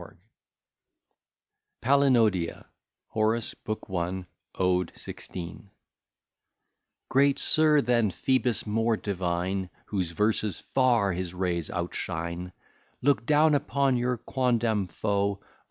B._] PALINODIA HORACE, BOOK I, ODE XVI Great Sir, than Phoebus more divine, Whose verses far his rays outshine, Look down upon your quondam foe; O!